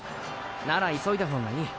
なら急いだ方がいい。